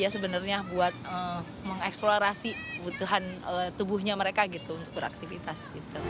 sebenarnya buat mengeksplorasi kebutuhan tubuhnya mereka gitu untuk beraktivitas